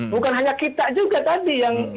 bukan hanya kita juga tadi yang kata ya kita